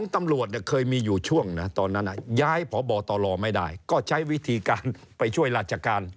ตำรวจเคยมีอยู่ช่วงนะตอนนั้นย้ายพบตลไม่ได้ก็ใช้วิธีการไปช่วยราชการ